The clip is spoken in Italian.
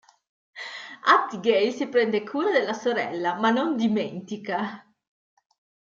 Abigail si prende cura della sorella ma non dimentica.